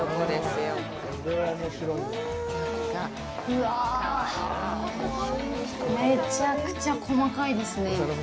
うわ、めちゃくちゃ細かいですね。